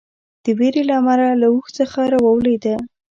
د وېرې له امله له اوښ څخه راولېده.